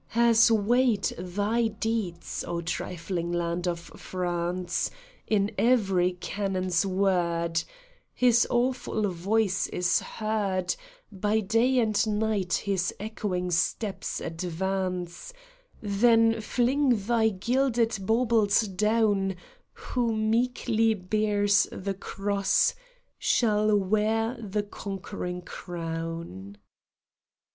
Hath weighed thy deeds, O trifling land of France ! In every cannon's word His awful voice is heard ; By day and night his echoing steps advance ; Then fling thy gilded baubles down ; Who meekly bears the cross, shall wear the conquer ing crown. ^g ON THE THRESHOLD.